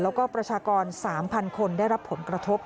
แล้วก็ประชากร๓๐๐คนได้รับผลกระทบ